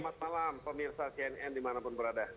selamat malam pemirsa cnn dimanapun berada